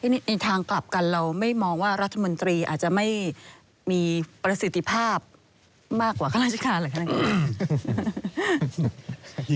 ในทางกลับกันเราไม่มองว่ารัฐมนตรีอาจจะไม่มีประสิทธิภาพมากกว่าข้าราชการหรือขนาดนี้